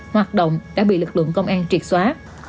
hoạt động đã bị lực lượng công an triệt xóa